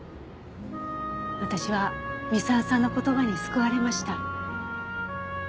私は三沢さんの言葉に救われました。